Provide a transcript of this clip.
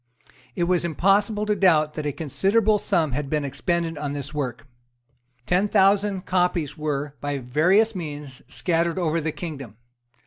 It was impossible to doubt that a considerable sum had been expended on this work. Ten thousand copies were, by various means, scattered over the kingdom.